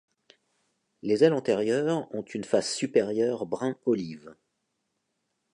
Les ailes antérieures ont une face supérieure brun-olive.